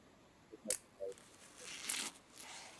Standard scaler ডেটাসেটকে standardisation করে।